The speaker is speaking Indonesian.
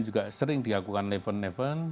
juga sering diakukan event event